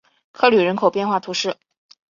科吕人口变化图示